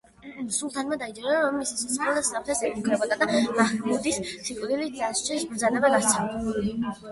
სულთანმა დაიჯერა, რომ მის სიცოცხლეს საფრთხე ემუქრებოდა და მაჰმუდის სიკვდილით დასჯის ბრძანება გასცა.